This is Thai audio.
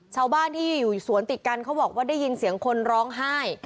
ชาวบ้านที่อยู่สวนติดกันเขาบอกว่าได้ยินเสียงคนร้องไห้